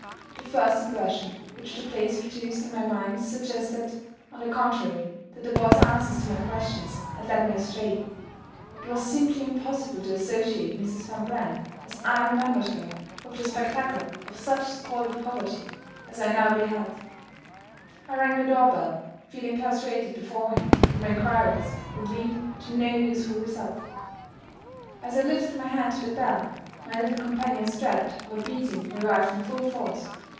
The first impression which the place produced on my mind suggested, on the contrary, that the boy's answers to my questions had led me astray. It was simply impossible to associate Mrs. Van Brandt (as I remembered her) with the spectacle of such squalid poverty as I now beheld. I rang the door bell, feeling persuaded beforehand that my inquiries would lead to no useful result. As I lifted my hand to the bell, my little companion's dread of a beating revived in full force.